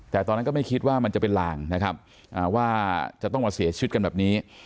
แต่ตอนนั้นก็ไม่คิดว่ามันจะเป็นลางนะครับว่าจะต้องมาเสียชีวิตกันแบบนี้